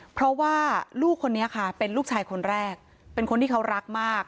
เพราะว่าลูกคนนี้ค่ะเป็นลูกชายคนแรกเป็นคนที่เขารักมาก